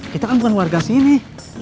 kita kan bukan warga sini